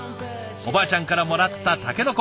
おばあちゃんからもらったタケノコ。